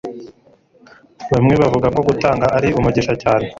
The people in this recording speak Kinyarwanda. Bamwe bavuga ko gutanga ari umugisha cyane